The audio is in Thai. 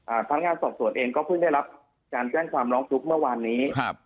พนักงานสอบสวนเองก็เพิ่งได้รับการแจ้งความร้องทุกข์เมื่อวานนี้ครับ